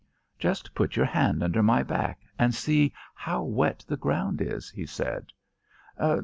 "Just put your hand under my back and see how wet the ground is," he said.